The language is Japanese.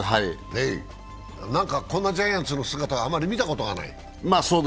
こんなジャイアンツの姿は見たことがない？